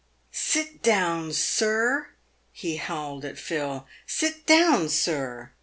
" Sit down, sir," he howled at Phil —" sit down, sir.